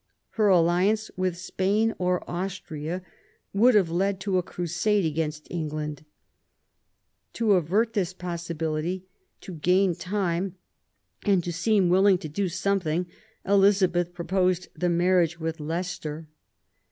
Her alliance with Spain or Austria would have led to .a crusade against England. To avert this possiblity, to gain time, and to seem willing to do something, Elizabeth proposed the marriage with Leicester.